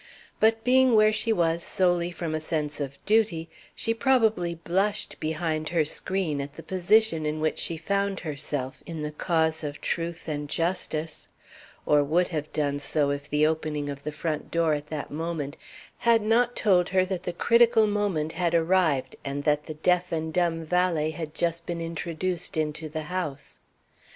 But being where she was solely from a sense of duty, she probably blushed behind her screen at the position in which she found herself, in the cause of truth and justice; or would have done so if the opening of the front door at that moment had not told her that the critical moment had arrived and that the deaf and dumb valet had just been introduced into the house.